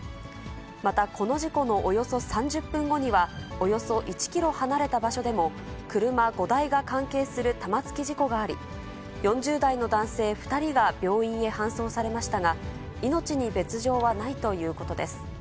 またこの事故のおよそ３０分後には、およそ１キロ離れた場所でも、車５台が関係する玉突き事故があり、４０代の男性２人が病院へ搬送されましたが、命に別状はないということです。